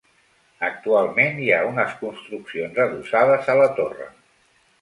Actualment hi ha unes construccions adossades a la torre.